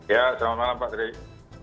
iya salam malam pak dries